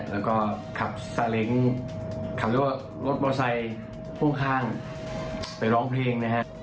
แล้วก็ขับสะเล็งขับรถบอสไซค์ห้วงข้างไปร้องเพลงนะฮะ